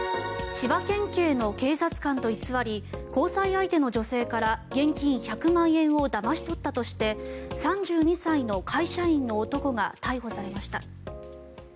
千葉県警の警察官と偽り交際相手の女性から現金１００万円をだまし取ったとして３２歳の会社員の男が逮捕されました。